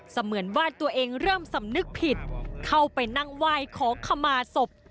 เหมือนว่าตัวเองเริ่มสำนึกผิดเข้าไปนั่งไหว้ขอขมาศพ